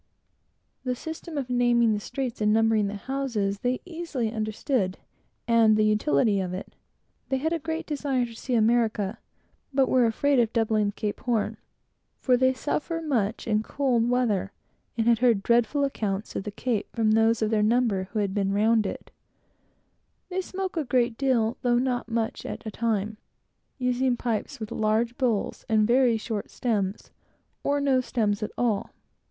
The system of naming the streets and numbering the houses, they easily understood, and the utility of it. They had a great desire to see America, but were afraid of doubling Cape Horn, for they suffer much in cold weather, and had heard dreadful accounts of the Cape, from those of their number who had been round it. They smoke a great deal, though not much at a time; using pipes with large bowls, and very short stems, or no stems at all.